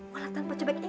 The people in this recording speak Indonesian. walau tanpa cobek ini